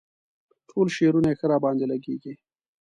ټول شعرونه یې ښه راباندې لګيږي.